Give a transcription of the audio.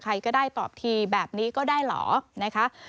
ใครก็ได้ตอบทีแบบนี้ก็ได้เหรอนะคะ